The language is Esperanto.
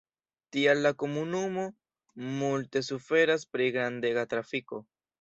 Tial la komunumo multe suferas pri grandega trafiko.